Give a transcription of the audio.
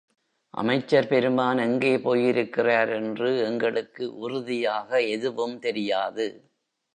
அமைச்சர் பெருமான் எங்கே போயிருக்கிறார் என்று எங்களுக்கு உறுதியாக எதுவும் தெரியாது.